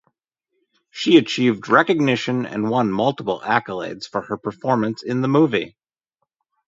She achieved recognition and won multiple accolades for her performance in the movie.